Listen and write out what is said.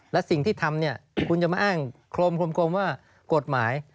และสิ่งที่ทำเนี่ยคุณจะมาอ้างโครมว่ากฎหมาย